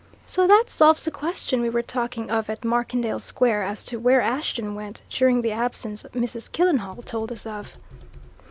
So that solves the question we were talking of at Markendale Square, as to where Ashton went during the absence Mrs. Killenhall told us of."